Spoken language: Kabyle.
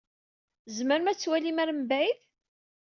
Tzemremt ad twalimt ɣer mebɛid?